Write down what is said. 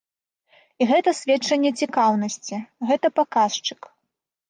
І гэта сведчанне цікаўнасці, гэта паказчык.